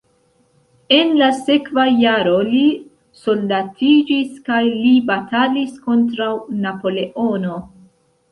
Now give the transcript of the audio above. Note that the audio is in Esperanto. En la sekva jaro li soldatiĝis kaj li batalis kontraŭ Napoleono.